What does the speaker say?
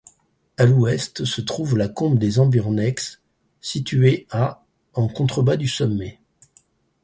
À l'ouest se trouve la combe des Amburnex, située à en contrebas du sommet.